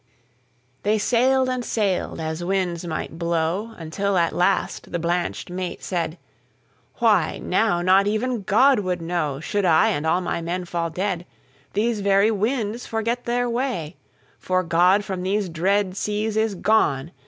'"They sailed and sailed, as winds might blow, Until at last the blanched mate said:"Why, now not even God would knowShould I and all my men fall dead. These very winds forget their way, For God from these dread seas is gone.